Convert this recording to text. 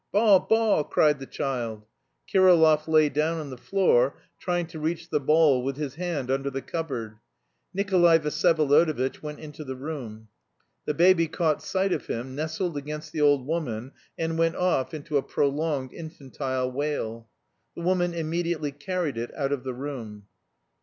"Baw! baw!" cried the child. Kirillov lay down on the floor, trying to reach the ball with his hand under the cupboard. Nikolay Vsyevolodovitch went into the room. The baby caught sight of him, nestled against the old woman, and went off into a prolonged infantile wail. The woman immediately carried it out of the room.